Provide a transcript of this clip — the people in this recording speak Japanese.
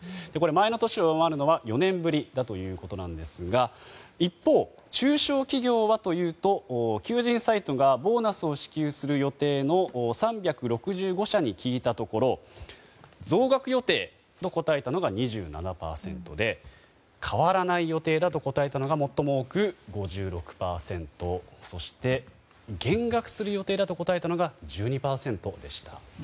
前の年を上回るのは４年ぶりということですが一方、中小企業はというと求人サイトがボーナスを支給する予定の３６５社に聞いたところ増額予定と答えたのが２７％で変わらない予定だと答えたのが最も多く５６％そして、減額する予定だと答えたのが１２％でした。